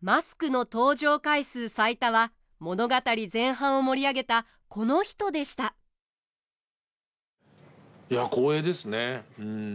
マスクの登場回数最多は物語前半を盛り上げたこの人でしたいや光栄ですねうん。